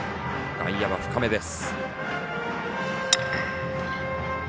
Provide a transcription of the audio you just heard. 外野は深めです。